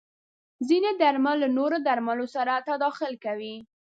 ځینې درمل له نورو درملو سره تداخل کوي.